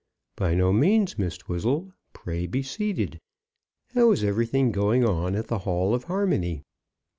"By no means, Miss Twizzle; pray be seated. How is everything going on at the Hall of Harmony?"